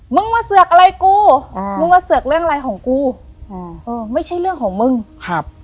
มึงมาเสือกอะไรกูอ่ามึงมาเสือกเรื่องอะไรของกูอืมเออไม่ใช่เรื่องของมึงครับ